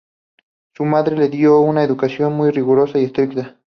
Su madre le dio una educación muy rigurosa y estricta.